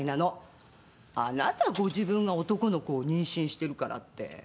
あなたご自分が男の子を妊娠してるからって。